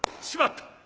「しまった！